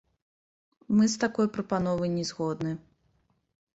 Мы з такой прапановай не згодны.